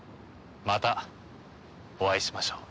またお会いしましょう。